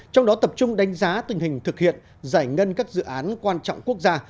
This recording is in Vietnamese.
trong đó tập trung đánh giá tình hình thực hiện giải ngân các dự án quan trọng quốc gia